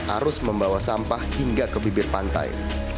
arus membawa sampah hingga ke bibir pantai